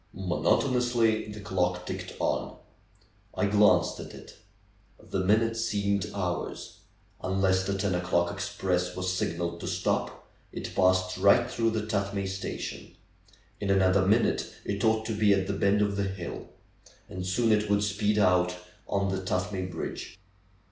Monotonously the clock ticked on. I glanced at it ; the minutes seemed hours. Unless the ten o'clock express was signaled to stop it passed right through the Tuth may station. In another minute it ought to be at the bend of the hill. And soon it would speed out on the Tuthmay bridge.